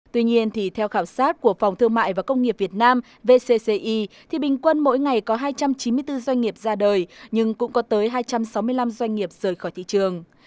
tuy nhiên thì theo khảo sát của phòng thương mại và công nghiệp việt nam vcci thì bình quân mỗi ngày có hai trăm chín mươi bốn doanh nghiệp ra đời nhưng cũng có tới hai trăm sáu mươi năm doanh nghiệp rời khỏi thị trường